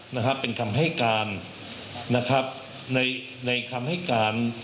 นะครับเป็นคำให้การนะครับในในคำให้การ